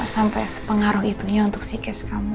sampai sepengaruh itunya untuk si kes kamu